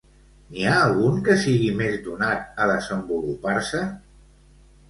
N'hi ha algun que sigui més donat a desenvolupar-se?